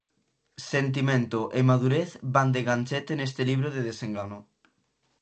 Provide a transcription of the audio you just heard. Sentimento e madurez van de ganchete neste libro de desengano.